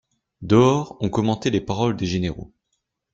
Dehors, on commentait les paroles des généraux.